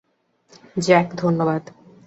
Jack, ধন্যবাদ।